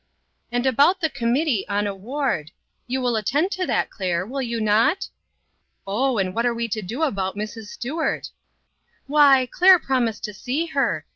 And about the Committee on Award ; you will attend to that, Claire, will you not?" " Oh, and what are we to do about Mrs. Stuart?" "Why, Claire promised to see her.